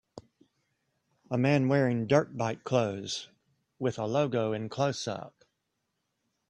A man wearing dirt bike clothes, with a logo in closeup.